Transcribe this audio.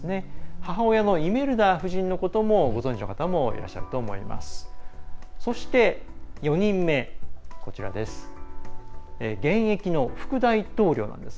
母親のイメルダ夫人のこともご存じの方もいらっしゃると思います。